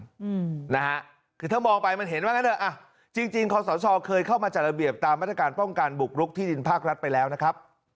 คุณผู้ชมครับและมันยังเป็นที่ตั้งท่าเรือน้ำลึกนะและมันยังเป็นที่ตั้งท่าเรือน้ำลึกนะ